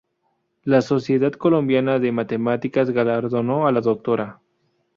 La Sociedad Colombiana de Matemáticas galardonó a la Dra.